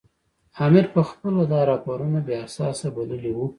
امیر پخپله دا راپورونه بې اساسه بللي وو.